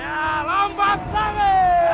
ya lompat lagi